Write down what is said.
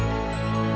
gak ada yang pilih